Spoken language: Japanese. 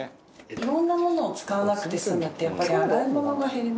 いろんなものを使わなくて済むってやっぱり洗い物が減りますよね。